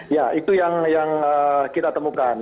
ya itu yang kita temukan